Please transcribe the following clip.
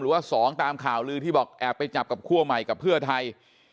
ว่า๒ตามข่าวลือที่บอกแอบไปจับกับคั่วใหม่กับเพื่อไทย